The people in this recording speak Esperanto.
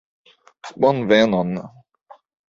bonvenon